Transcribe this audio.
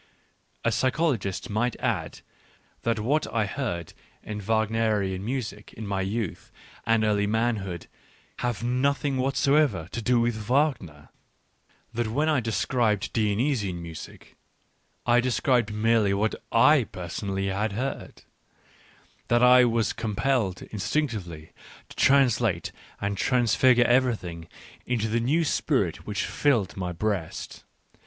... A psycho logist might add that what I heard in Wagnerian Digitized by Google 74 ECCE HOMO music in my youth and early manhood had nothing whatsoever to do with Wagner ; that when I de scribed Dionysian music, I described merely what / personally had heard — that I was compelled in stinctively to translate and transfigure everything into the new spirit which filled my breast.